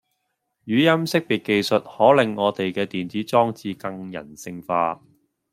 語音識別技術可令我地既電子裝置更人性化